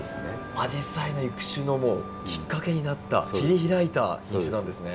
アジサイの育種のもうきっかけになった切り開いた品種なんですね。